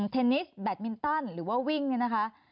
เทนนิสแบตมินตันหรือว่าวิ่งเนี่ยนะคะ